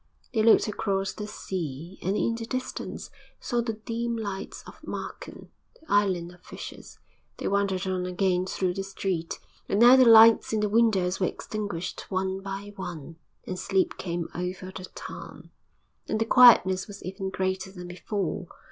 They looked across the sea, and in the distance saw the dim lights of Marken, the island of fishers. They wandered on again through the street, and now the lights in the windows were extinguished one by one, and sleep came over the town; and the quietness was even greater than before.